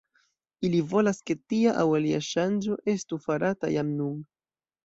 Ili volas, ke tia aŭ alia ŝanĝo estu farata jam nun.